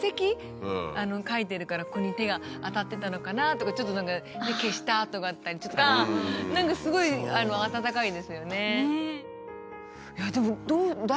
書いてるからここに手が当たってたのかなとかちょっと何か消した跡があったりとか何かすごい温かいですよね。